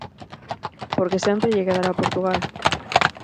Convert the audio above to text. _...porque sempre lle quedará Portugal...